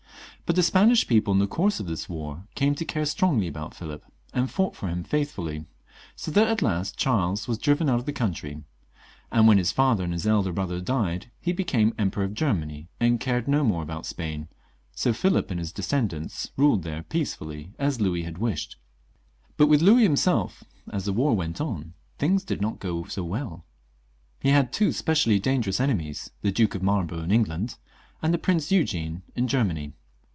But the Spanish people, in the course of this war, came to care strongly about Philip, and fought for him faithfully, so that at last Charles was driven out of the country ; and when his father and his elder brother died, he became Emperor of Germany, and caied no mote about Spain, so Philip and his descend ants ruled there peacefully as Louis had wished. But with LoJL himsei, as the war went on, things did not go so well. He had two specially dangerous enemies, the Duke of Marlborough in England, and the Prince Eugene in Germany.